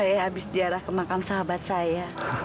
saya habis diarah ke makam sahabat saya